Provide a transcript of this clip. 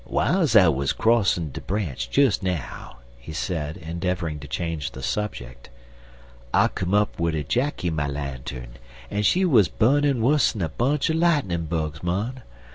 "W'iles I wuz crossin' de branch des now," he said, endeavoring to change the subject, "I come up wid a Jacky my lantern, en she wuz bu'nin' wuss'n a bunch er lightnin' bugs, mon.